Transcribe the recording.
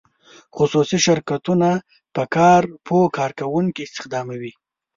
خصوصي شرکتونه په کار پوه کارکوونکي استخداموي.